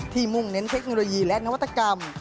มุ่งเน้นเทคโนโลยีและนวัตกรรม